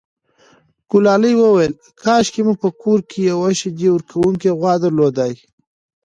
ګلالۍ وویل کاشکې مو په کور کې یوه شیدې ورکوونکې غوا درلودای.